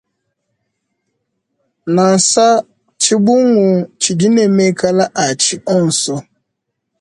Nansa tshibungu tshidi ne mekala a tshi onso.